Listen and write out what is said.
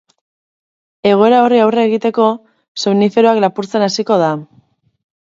Egoera horri aurre egiteko, somniferoak lapurtzen hasiko da.